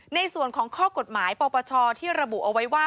ในส่วนของข้อกฎหมายปปชที่ระบุเอาไว้ว่า